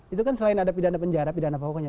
itu kan selain ada pidana penjara pidana pokoknya